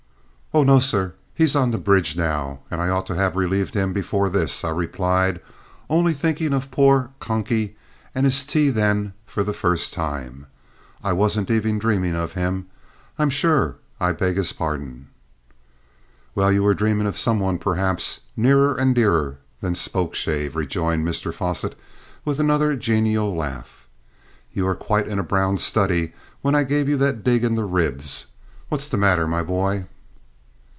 "Oh no, sir; he's on the bridge now, and I ought to have relieved him before this," I replied, only thinking of poor "Conky" and his tea then for the first time. "I wasn't even dreaming of him; I'm sure I beg his pardon!" "Well, you were dreaming of some one perhaps `nearer and dearer' than Spokeshave," rejoined Mr Fosset, with another genial laugh. "You were quite in a brown study when I gave you that dig in the ribs. What's the matter, my boy?"